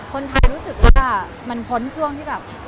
คนไทยรู้สึกว่ามันพ้นช่วงที่แบบ